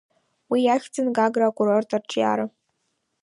Уи иахьӡын Гагра акурорт арҿиара.